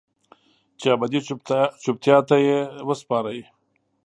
چې ابدي چوپتیا ته یې وسپارئ